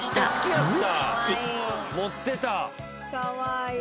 かわいい。